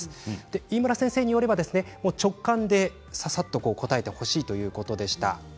飯村先生によれば直感でささっと答えてほしいということでした。